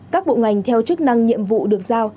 các bộ ngành theo chức năng nhiệm vụ được giao